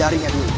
aku akan menang